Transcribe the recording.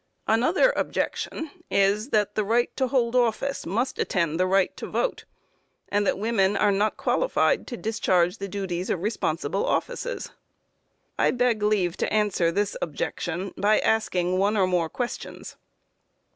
Another objection is, that the right to hold office must attend the right to vote, and that women are not qualified to discharge the duties of responsible offices. I beg leave to answer this objection by asking one or more questions.